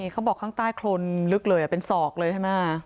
ข้างใต้โครนลึกเลยเป็นศอกเลยใช่ไหม